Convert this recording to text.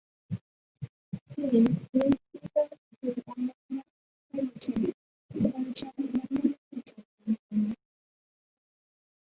তিনি নিউ থিয়েটার্সের অন্যতম ডিরেক্টর হিসাবে পরিচালক মণ্ডলীতে যোগদান করেন।